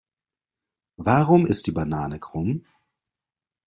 Warum ist die Banane krumm?